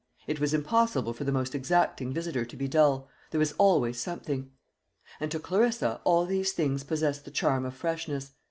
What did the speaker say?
It was impossible for the most exacting visitor to be dull. There was always something. And to Clarissa all these things possessed the charm of freshness.